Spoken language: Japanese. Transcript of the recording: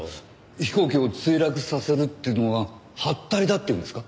飛行機を墜落させるっていうのがはったりだっていうんですか？